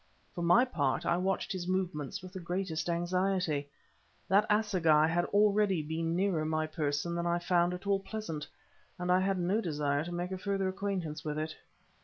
For my part, I watched his movements with the greatest anxiety. That assegai had already been nearer my person than I found at all pleasant, and I had no desire to make a further acquaintance with it.